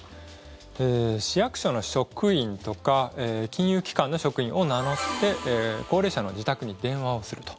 市役所の職員とか金融機関の職員を名乗って高齢者の自宅に電話をすると。